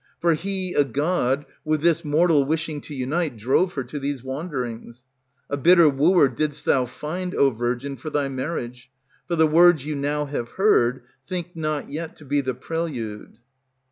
For he a god, with this mortal Wishing to unite, drove her to these wanderings. A bitter wooer didst thou find, O virgin, For thy marriage. For the words you now have heard Think not yet to be the prelude.